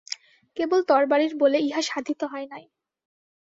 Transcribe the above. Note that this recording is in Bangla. কেবল তরবারির বলে ইহা সাধিত হয় নাই।